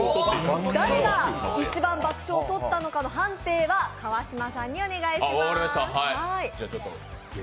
誰が一番爆笑をとったのかの判定は川島さんにお願いします。